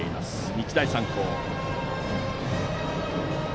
日大三高。